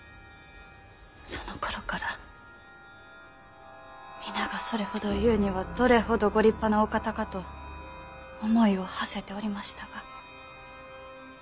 そのころから皆がそれほど言うにはどれほどご立派なお方かと思いをはせておりましたが。